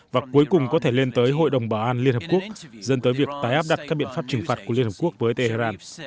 và cuối cùng có thể lên tới hội đồng bảo an liên hợp quốc dân tới việc tái áp đặt các biện pháp trừng phạt của liên hợp quốc với tehran